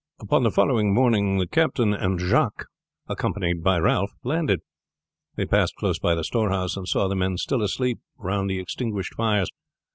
Upon the following morning the captain and Jacques, accompanied by Ralph, landed. They passed close by the storehouse, and saw the men still asleep round the extinguished fires.